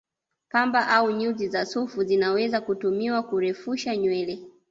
Pamba au nyuzi za sufu zinaweza kutumiwa kurefusha nywele